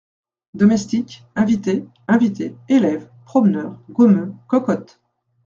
Domestiques, invités, invitées, élèves, promeneurs, gommeux, cocottes.